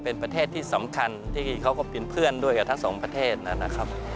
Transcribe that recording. เป็นประเทศที่สำคัญที่เขาก็เป็นเพื่อนด้วยกับทั้งสองประเทศนะครับ